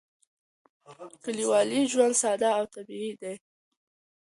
کلیوالي ژوند ساده او طبیعي دی.